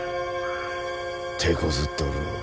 てこずっておるのう。